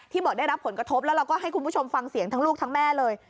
บอกได้รับผลกระทบแล้วเราก็ให้คุณผู้ชมฟังเสียงทั้งลูกทั้งแม่เลย